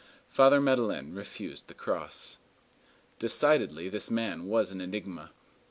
Father Madeleine refused the cross. Decidedly this man was an enigma.